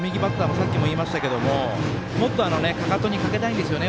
さっきも言いましたけどもっと、かかとにかけたいんですよね